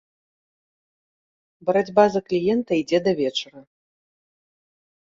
Барацьба за кліента ідзе да вечара.